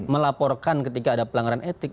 melaporkan ketika ada pelanggaran etik